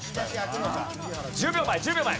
１０秒前１０秒前。